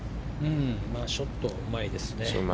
ショット、うまいですね。